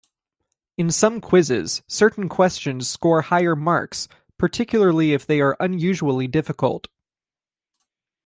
In some quizzes, certain questions score higher marks, particularly if they are unusually difficult.